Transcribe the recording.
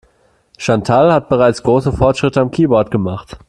Chantal hat bereits große Fortschritte am Keyboard gemacht.